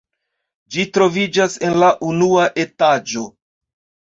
Ĝi troviĝas en la unua etaĝo.